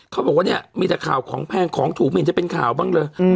เขาบอกว่าเนี่ยมีแต่ข่าวของแพงของถูกไม่เห็นจะเป็นข่าวบ้างเลย